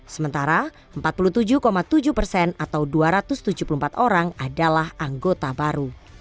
sementara empat puluh tujuh tujuh persen atau dua ratus tujuh puluh empat orang adalah anggota baru